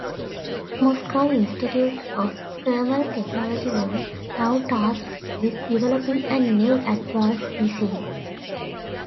Moscow Institute of Thermal Technology was now tasked with developing a new advanced missile.